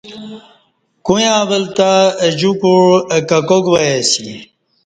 کویاں ولہ تہ اہ جکوع اہ ککاک وای اسی